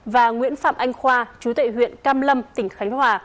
và nguyễn phạm anh khoa chú tệ huyện cam lâm tỉnh khánh hòa